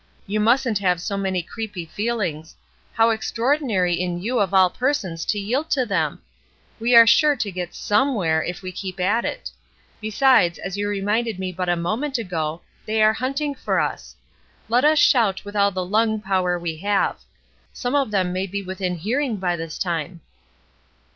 "You mustn't have so many creepy feeUngs. How extraordinary in you of all persons to yield to them ! We are sure to get somewhere, if we keep at it. Besides, as you reminded me but a moment ago, they are A 'TROSS" TRAIL 165 hunting for us. Let us shout with all the lung power we have; some of them may be within hearing by this time."